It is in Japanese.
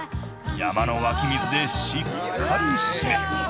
山の湧き水でしっかり締め